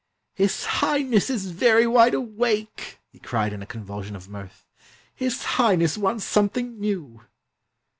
"'His Highness is very wide awake'!" he cried in a convulsion of mirth. "'His Highness wants something new'!"